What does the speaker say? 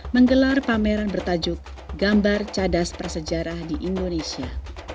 menggelar pameran bertajuk gambar cadas prasejarah di indonesia